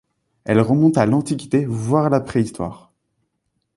Elle remonte à l'antiquité, voire à la préhistoire.